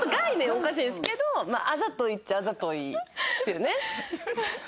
おかしいんですけどあざといっちゃあざといんですよね。